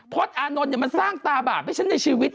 อานนท์มันสร้างตาบาปให้ฉันในชีวิต